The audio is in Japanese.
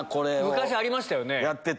昔ありましたよね。